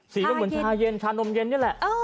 เหมือนชาเย็นชานมเย็นนี่แหละ